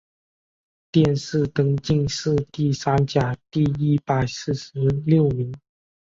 殿试登进士第三甲第一百四十六名。